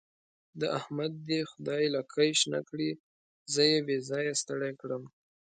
د احمد دې خدای لکۍ شنه کړي؛ زه يې بې ځايه ستړی کړم.